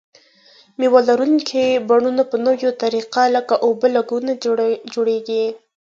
مېوه لرونکي بڼونه په نویو طریقو لکه اوبه لګونه جوړیږي.